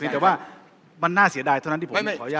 แต่ว่ามันน่าเสียดายเท่านั้นที่ผมไม่ขออนุญาต